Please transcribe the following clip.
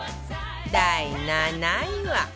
第７位は